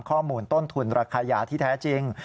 ข้อมูลต้นทุนราคายาที่แท้จริง